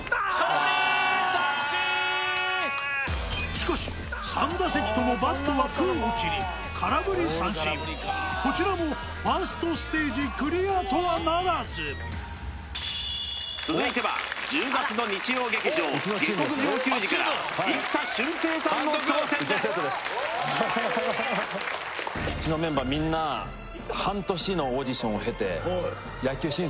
しかし３打席ともバットは空を切り空振り三振こちらもファーストステージクリアとはならず続いては１０月の日曜劇場「下剋上球児」からさんの挑戦ですうちのメンバーみんなそうか！